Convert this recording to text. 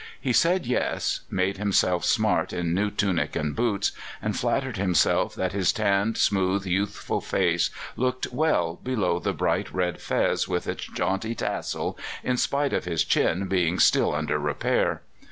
He said "Yes," made himself smart in new tunic and boots, and flattered himself that his tanned, smooth, youthful face looked well below the bright red fez with its jaunty tassel, in spite of his chin being still under repair.